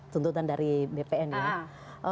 tuntutan dari bpn ya